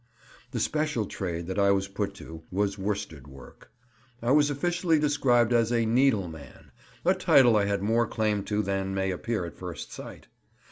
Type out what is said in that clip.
The special trade that I was put to was worsted work. I was officially described as a "needleman," a title I had more claim to than may appear at first sight.